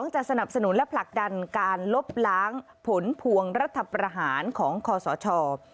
จะสนับสนุนและผลักดันการลบล้างผลพวงรัฐประหารของคอสช